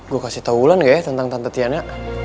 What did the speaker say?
gue kasih tau bulan gak ya tentang tante tiana